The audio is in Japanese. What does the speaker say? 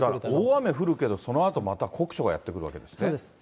大雨降るけど、そのあとまた酷暑がやってくるわけですね。